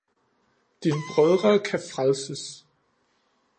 Dine brødre kan frelses!